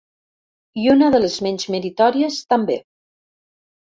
I una de les menys meritòries, també.